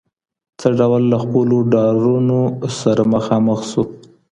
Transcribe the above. څه ډول له خپلو ډارونو سره مخامخ سو؟